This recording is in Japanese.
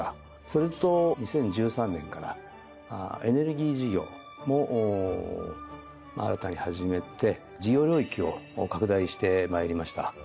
それと２０１３年からエネルギー事業も新たに始めて事業領域を拡大してまいりました。